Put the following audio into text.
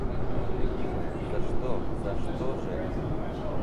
Любимая, за что, за что же?!